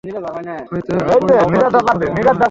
হয়তো ওই পার্টির পরে, মনে হয়।